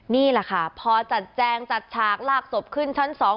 นี่แหละค่ะพอจัดแจงจัดฉากลากศพขึ้นชั้นสอง